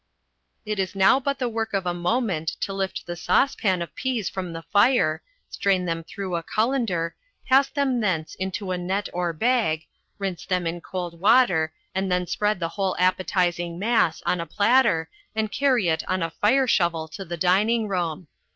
It is now but the work of a moment to lift the saucepan of peas from the fire, strain them through a colander, pass them thence into a net or bag, rinse them in cold water and then spread the whole appetising mass on a platter and carry it on a fireshovel to the dining room.